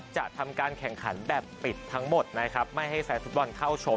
จะทำการแข่งขันแบบปิดทั้งหมดนะครับไม่ให้แฟนฟุตบอลเข้าชม